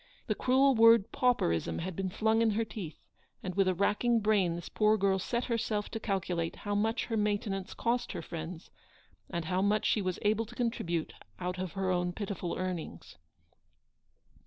The cruel word pauperism had been flung in her teeth, and with a rackiug brain this poor girl set herself to calculate how much her maintenance cost her friends, and how much she was able to contribute out of her own pitiful earnings.